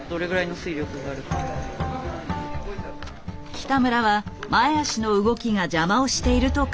北村は前脚の動きが邪魔をしていると考えた。